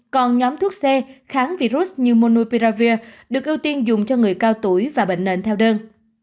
còn nhóm thuốc xe kháng virus như monupiravir được ưu tiên dùng cho người cao tuổi và bệnh nền theo đơn